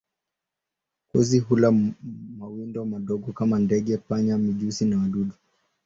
Kozi hula mawindo madogo kama ndege, panya, mijusi na wadudu.